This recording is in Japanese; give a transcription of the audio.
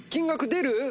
出る。